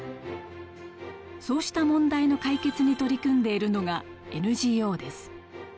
そうした問題の解決に取り組んでいるのがＮＧＯです。